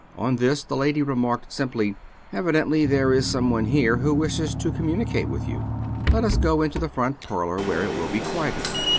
On this, the lady remarked, simply :* Evidently there is some one here who wishes to communicate with you. Let us go into the front parlor, where it will be quieter.'